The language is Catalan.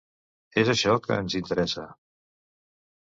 És això, que ens interessa.